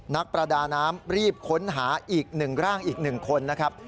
นักประดาน้ำรีบค้นหาอีก๑ร่างอีก๑คนนะครับ